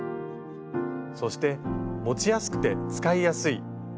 そして持ちやすくて使いやすい。